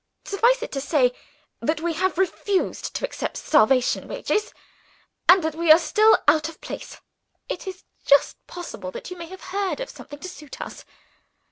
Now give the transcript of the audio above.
Suffice it to say that we have refused to accept starvation wages, and that we are still out of place. It is just possible that you may have heard of something to suit us.